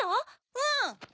うん！